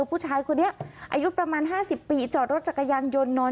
ผู้ชายคนนี้อายุประมาณ๕๐ปีจอดรถจักรยานยนต์นอน